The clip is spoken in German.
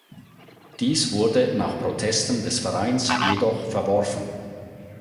Dies wurde nach Protesten des Vereins jedoch verworfen.